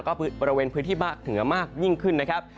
ก็บริเวณพื้นที่ภาคเหนือมากยิ่งขึ้นนะครับ